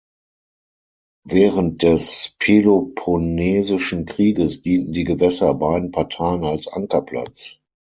Während des Peloponnesischen Krieges dienten die Gewässer beiden Parteien als Ankerplatz.